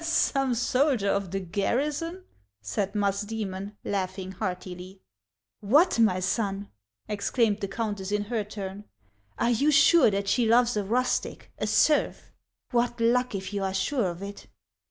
" Some soldier of the garrison ?" said Musdoemon, laughing heartily. 118 HANS OF ICELAND. " What, my son !" exclaimed the countess in her turn. " Are you sure that she loves a rustic, a serf ? What luck, if you are sure of it